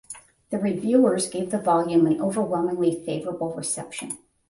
The reviewers gave the volume an overwhelmingly favourable reception.